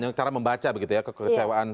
yang cara membaca begitu ya kekecewaan